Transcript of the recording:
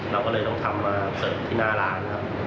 เราก็เลยต้องทำมาเสริมที่หน้าร้านครับ